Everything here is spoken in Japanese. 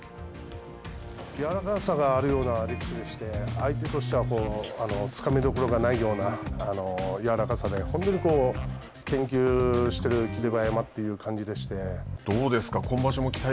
やわらかさがあるような力士でして、相手としてはつかみどころがないようなやわらかさで、本当に研究してる霧馬山どうですか。